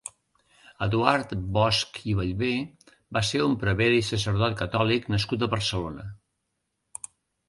Eduard Bosch i Bellver va ser un prevere i sacerdot catòlic nascut a Barcelona.